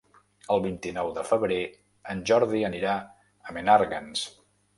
El vint-i-nou de febrer en Jordi anirà a Menàrguens.